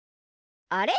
あれ？